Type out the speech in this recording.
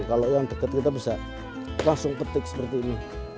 kalau yang dekat kita bisa langsung petik seperti ini